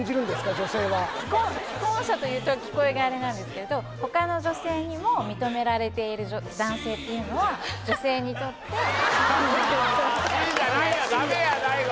女性は既婚者というと聞こえがあれなんですけれど他の女性にも認められている男性というのは女性にとって魅力がシーじゃないよダメよ